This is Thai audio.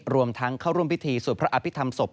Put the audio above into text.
รวมทั้งเข้าร่วมพิธีสวดพระอภิษฐรรมศพ